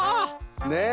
ねえ。